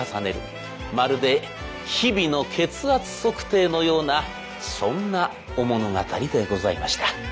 まるで日々の血圧測定のようなそんなお物語でございました。